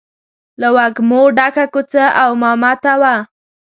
له وږمو ډکه کوڅه او مامته وه.